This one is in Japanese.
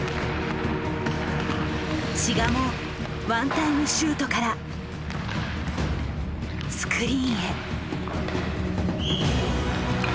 志賀もワンタイムシュートからスクリーンへ。